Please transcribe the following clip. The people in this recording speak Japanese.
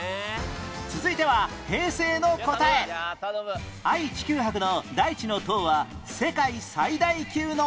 続いては愛・地球博の大地の塔は世界最大級の